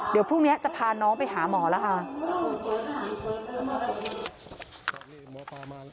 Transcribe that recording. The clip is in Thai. เดี๋ยวพรุ่งนี้จะพาน้องไปหาหมอแล้วค่ะ